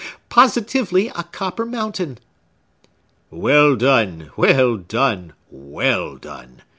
Positively a copper mountain!" "Well done! well done! well done!"